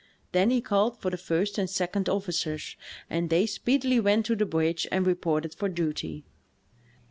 Then he called for the first and second officers, and they speedily went to the bridge and reported for duty.